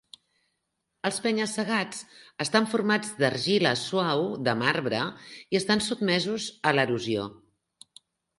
Els penya-segats estan formats d'argila suau de marbre i estan sotmesos a l'erosió.